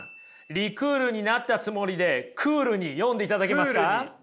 リクールになったつもりでクールに読んでいただけますか。